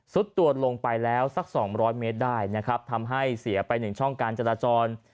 สุดตัวลงไปแล้วสักสองร้อยเมตรได้นะครับทำให้เสียไปหนึ่งช่องการจราจร